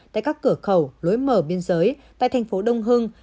tại các cửa khẩu lối mở biên giới tại thành phố đông hưng